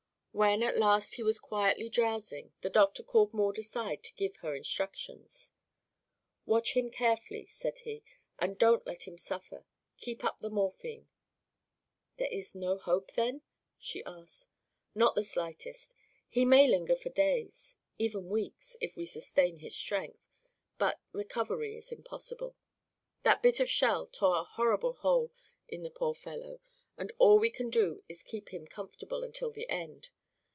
When at last he was quietly drowsing the doctor called Maud aside to give her instructions. "Watch him carefully," said he, "and don't let him suffer. Keep up the morphine." "There is no hope, then?" she asked. "Not the slightest. He may linger for days even weeks, if we sustain his strength but recovery is impossible. That bit of shell tore a horrible hole in the poor fellow and all we can do is keep him comfortable until the end.